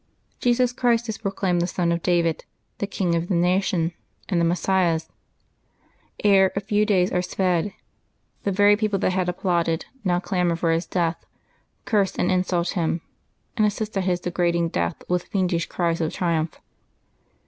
Jesus Christ is proclaimed the Son of David, the King of the nation, and the Messias. Ere a few days are sped, the very people that had applauded now clamor for His death, curse and insult Him, and assist at His degrading death with fiendish cries of triumph.